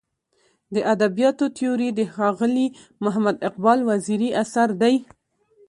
د ادبیاتو تیوري د ښاغلي محمد اقبال وزیري اثر دی.